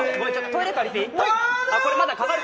トイレ、借りていい？